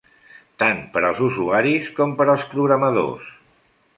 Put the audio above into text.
Tant per als usuaris com per als programadors.